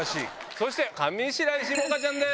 そして上白石萌歌ちゃんです。